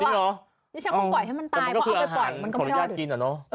พี่ฉันคงปล่อยให้มันตายเพราะเอาไปปล่อยมันก็ไม่รอด